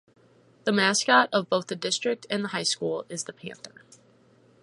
The mascot of both the district and the high school is the "Panther".